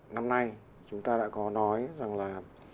năm nay chúng ta đã có nói rằng là